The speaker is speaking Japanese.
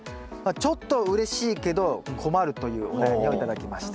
ちょっとうれしいけど困るというお悩みを頂きました。